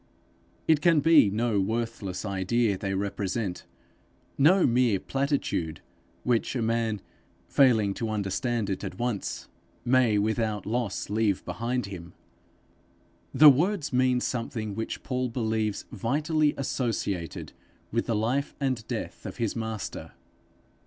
It can be no worthless idea they represent no mere platitude, which a man, failing to understand it at once, may without loss leave behind him. The words mean something which Paul believes vitally associated with the life and death of his Master.